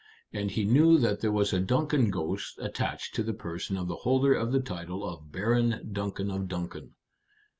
And he knew that there was a Duncan ghost attached to the person of the holder of the title of Baron Duncan of Duncan."